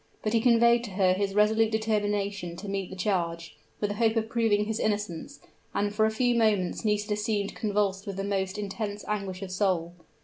But he conveyed to her his resolute determination to meet the charge, with the hope of proving his innocence: and for a few moments Nisida seemed convulsed with the most intense anguish of soul.